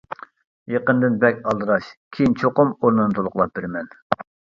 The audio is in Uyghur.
-يېقىندىن بەك ئالدىراش، كېيىن چوقۇم ئورنىنى تولۇقلاپ بېرىمەن.